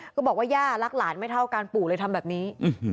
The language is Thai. บอกว่าย่ารักหลานไม่เท่ากันปู่เลยทำแบบนี้